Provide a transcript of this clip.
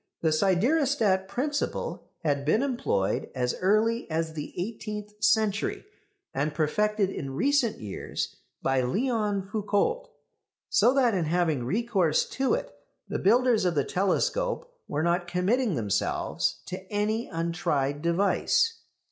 The siderostat principle had been employed as early as the eighteenth century, and perfected in recent years by Léon Foucault, so that in having recourse to it the builders of the telescope were not committing themselves to any untried device.